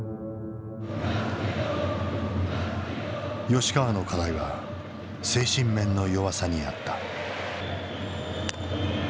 吉川の課題は精神面の弱さにあった。